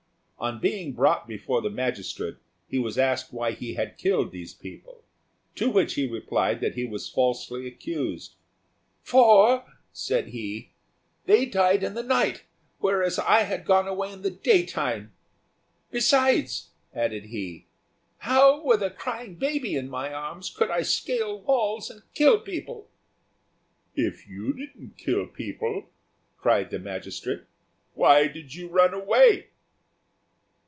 On being brought before the magistrate he was asked why he had killed these people; to which he replied that he was falsely accused, "For," said he, "they died in the night, whereas I had gone away in the daytime. Besides," added he, "how, with a crying baby in my arms, could I scale walls and kill people?" "If you didn't kill people," cried the magistrate, "why did you run away?"